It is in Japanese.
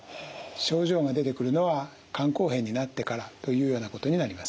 症状が出てくるのは肝硬変になってからというようなことになります。